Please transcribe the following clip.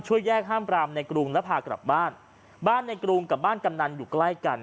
แยกห้ามปรามในกรุงแล้วพากลับบ้านบ้านในกรุงกับบ้านกำนันอยู่ใกล้กัน